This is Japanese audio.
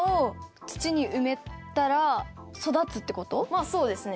まあそうですね。